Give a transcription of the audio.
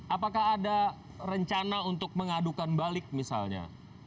apakah ada rencana untuk mengadukan balik misalnya